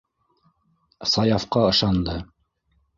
Саяфҡа ышанды.